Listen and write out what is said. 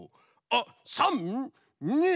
あっ３２１